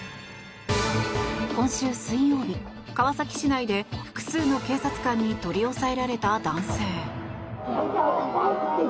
今週水曜日、川崎市内で複数の警察官に取り押さえられた男性。